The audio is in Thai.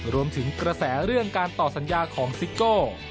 รวมถึงกระแสเรื่องการต่อสัญญาของซิโก้